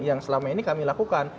yang selama ini kami lakukan